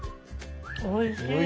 おいしい。